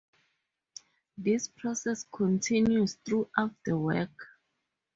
This process continues throughout the work.